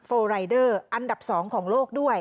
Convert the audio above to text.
โฟล์ไรเดอร์อันดับ๒ของโลกด้วย